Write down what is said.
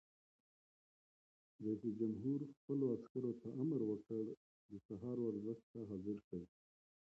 رئیس جمهور خپلو عسکرو ته امر وکړ؛ د سهار ورزش ته حاضر شئ!